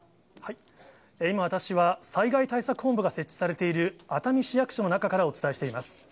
今、私は、災害対策本部が設置されている熱海市役所の中からお伝えしています。